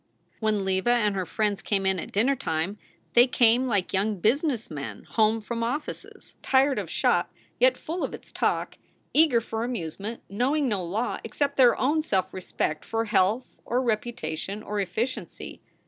When Leva and her friends came in at dinner time they came like young business men home from offices, tired of shop, yet full of its talk; eager for amusement, knowing no law except their own self respect for health or reputation or efficiency.